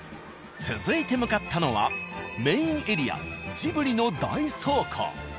続いて向かったのはメインエリアジブリの大倉庫。